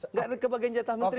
nggak kebagian jatah menteri